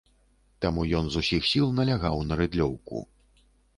Таму ён з усіх сіл налягаў на рыдлёўку.